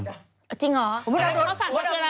อย่างเยอะ